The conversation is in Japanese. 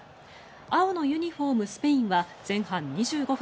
青のユニホーム、スペインは前半２５分。